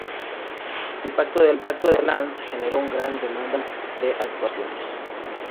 El impacto de la ""performance"" generó una gran demanda de actuaciones.